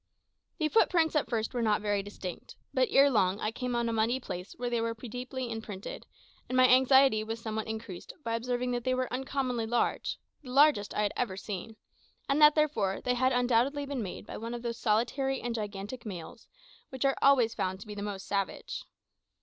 The footprints at first were not very distinct, but ere long I came on a muddy place where they were deeply imprinted, and my anxiety was somewhat increased by observing that they were uncommonly large the largest I had ever seen and that, therefore, they had undoubtedly been made by one of those solitary and gigantic males, which are always found to be the most savage.